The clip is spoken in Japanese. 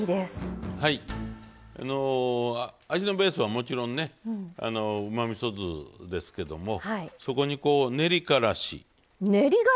味のベースはもちろんねうまみそ酢ですけどもそこに練りからし。